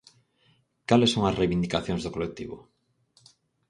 Cales son as reivindicacións do colectivo?